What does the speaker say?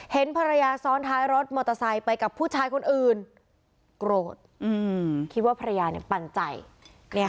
เห็นภรรยาซ้อนท้ายรถมอเตอร์ไซค์ไปกับผู้ชายคนอื่นโกรธคิดว่าภรรยาเนี่ยปันใจ